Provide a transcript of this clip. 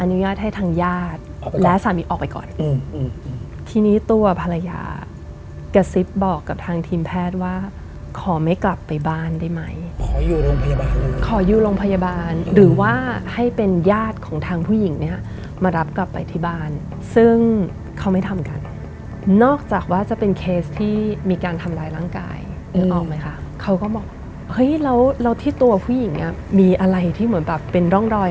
อนุญาตให้ทางญาติและสามีออกไปก่อนอืมทีนี้ตัวภรรยากระซิบบอกกับทางทีมแพทย์ว่าขอไม่กลับไปบ้านได้ไหมขออยู่โรงพยาบาลขออยู่โรงพยาบาลหรือว่าให้เป็นญาติของทางผู้หญิงเนี่ยมารับกลับไปที่บ้านซึ่งเขาไม่ทำกันนอกจากว่าจะเป็นเคสที่มีการทำร้ายร่างกายนึกออกไหมคะเขาก็บอกเฮ้ยแล้วแล้วที่ตัวผู้หญิงอ่ะมีอะไรที่เหมือนแบบเป็นร่องรอย